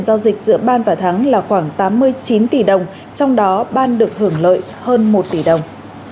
giao dịch giữa ban và thắng là khoảng tám mươi chín tỷ đồng trong đó ban được hưởng lợi hơn một tỷ đồng